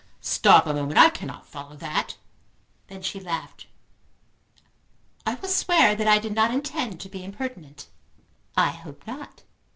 "Stop a moment. I cannot follow that." Then she laughed. "I will swear that I did not intend to be impertinent." "I hope not."